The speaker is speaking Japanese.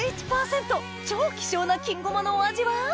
超希少な金ごまのお味は？